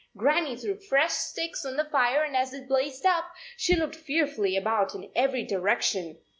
Gran nie threw fresh sticks on the fire, and as it blazed up, she looked fearfully about in every direction.